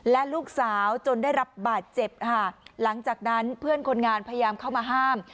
และลูกสาวจนได้รับบาดเจ็บค่ะหลังจากนั้นเพื่อนคนงานพยายามเข้ามาห้าม